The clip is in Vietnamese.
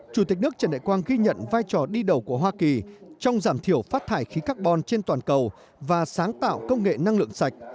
chủ tịch nước trần đại quang ghi nhận vai trò đi đầu của hoa kỳ trong giảm thiểu phát thải khí carbon trên toàn cầu và sáng tạo công nghệ năng lượng sạch